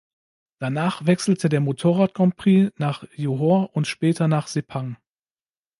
Danach wechselte der Motorrad-Grand-Prix nach Johor und später nach Sepang.